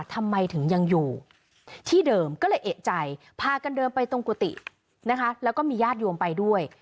ทำไมถึงยังอยู่ที่เดิมก็เลยเอกใจพากันเดินไปตรงกุฏินะคะแล้วก็มีญาติโยมไปด้วย